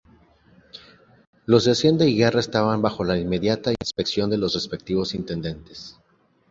Los de hacienda y guerra estaban bajo la inmediata inspección de los respectivos intendentes.